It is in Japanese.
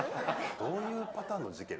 どういうパターンの事件